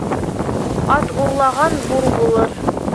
Ат урлаған бур булыр